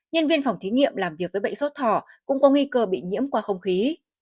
nhân viên phòng thí nghiệm làm việc với bệnh sốt thỏ cũng có nguy cơ bị nhiễm qua không khí